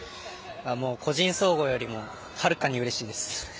個人総合よりもはるかにうれしいです。